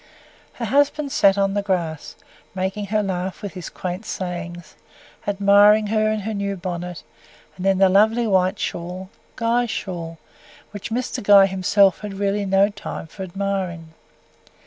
Her husband sat on the grass, making her laugh with his quaint sayings admiring her in her new bonnet, and in the lovely white shawl Guy's shawl which Mr. Guy himself had really no time for admiring.